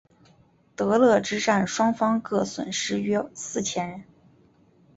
德勒之战双方各损失约四千人。